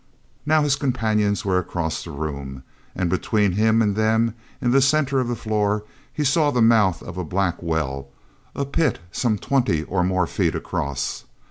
Now his companions were across the room, and between him and them in the center of the floor he saw the mouth of a black well, a pit some twenty or more feet across.